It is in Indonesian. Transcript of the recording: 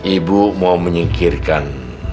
ibu mau menyingkirkan